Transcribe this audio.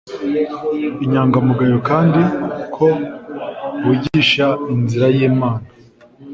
inyangamugayo kandi ko wigisha inzira y Imana